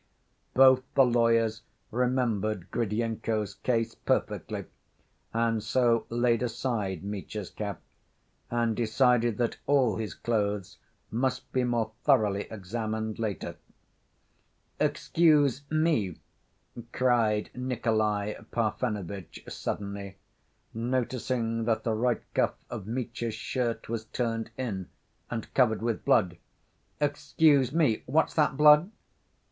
Both the lawyers remembered Gridyenko's case perfectly, and so laid aside Mitya's cap, and decided that all his clothes must be more thoroughly examined later. "Excuse me," cried Nikolay Parfenovitch, suddenly, noticing that the right cuff of Mitya's shirt was turned in, and covered with blood, "excuse me, what's that, blood?"